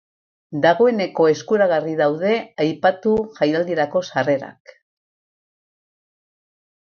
Dagoeneko eskuragarri daude aipatu jaialdirako sarrerak.